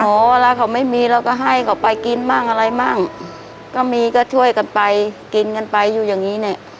เวลาเขาไม่มีเราก็ให้เขาไปกินมั่งอะไรมั่งก็มีก็ช่วยกันไปกินกันไปอยู่อย่างงี้เนี่ย